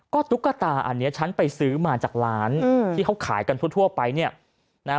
ก็ตุ๊กตาอันนี้ฉันไปซื้อมาจากร้านอืมที่เขาขายกันทั่วไปเนี่ยนะฮะ